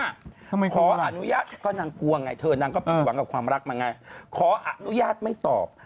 ทำไมกลัวล่ะนางกลัวไงเธอนางก็ปิดหวังกับความรักมันไงขออนุญาตไม่ตอบ